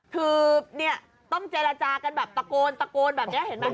คือต้องเจรจากันแบบตะโกนแบบนี้เห็นไหม